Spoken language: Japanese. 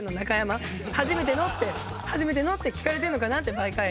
「初めての？」って「初めての？」って聞かれてるのかなって毎回。